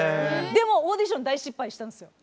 でもオーディション大失敗したんですよ。